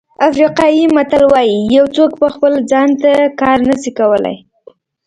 افریقایي متل وایي یو څوک په خپله ځان ته کار نه شي کولای.